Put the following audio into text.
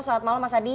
selamat malam mas adi